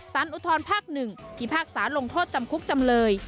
อุทธรภาค๑พิพากษาลงโทษจำคุกจำเลย